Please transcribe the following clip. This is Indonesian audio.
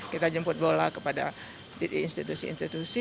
kita jemput bola kepada institusi institusi